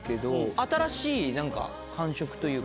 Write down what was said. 新しい何か感触というか。